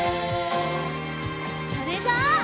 それじゃあ。